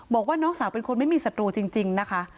บอกว่าน้องสาวเป็นคนไม่มีศัตรูจริงนะคะ